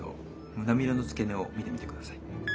胸びれの付け根を見てみてください。